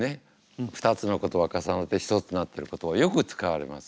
２つの言葉が重なって１つになってる言葉はよく使われます。